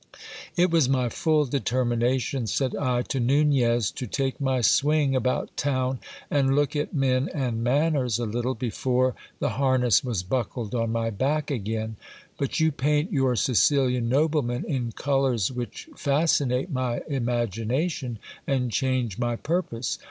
It was my full determination, said I to Nunez, to take my swing about town and look at men and manners a little, before the harness was buckled on my back again ; but you paint your Sicilian nobleman in colours which fascinate my imagination and change my purpose.